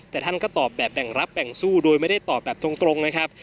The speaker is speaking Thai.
แต่ท่านก็ตอบแบบแบ่งรับแบ่งสู้โดยไม่ได้ตอบแบบตรงนะครับ